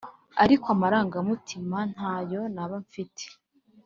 ariko amarangamutima ntayo naba mfite